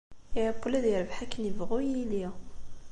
Iɛewwel ad yerbeḥ, akken yebɣu yili.